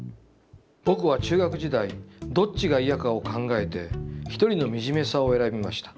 僕は中学時代、どっちがイヤかを考えて、『一人のみじめさ』を選びました。